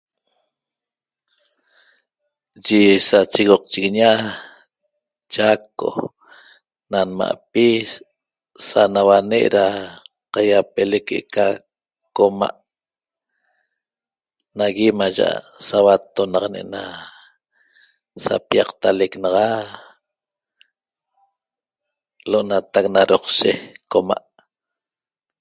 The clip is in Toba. Yi sachigoqchiguiña Chaco na nma'pi sanauane' da qaiapelec que'eca coma' nagui maya' sauattonaq ne'ena sapiaqtalec naxa lo'onatac na doqshe coma'